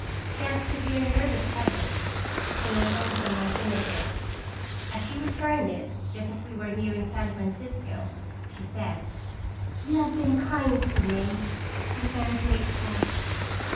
She had severe nervous headaches, and I loaned her my vinaigrette. As she returned it, just as we were nearing San Francisco, she said: 238 "<&i)e geconft (Earir toins." "You have been kind to me. I am very grateful.